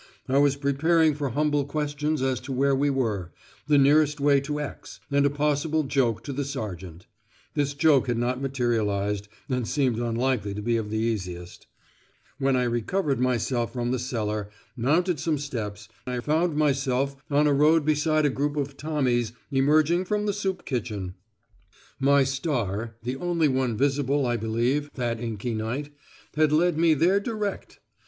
I was preparing for humble questions as to where we were, the nearest way to X, and a possible joke to the sergeant (this joke had not materialised, and seemed unlikely to be of the easiest), when I recovered myself from the cellar, mounted some steps, and found myself on a road beside a group of Tommies emerging from the Soup Kitchen! My star (the only one visible, I believe, that inky night) had led me there direct!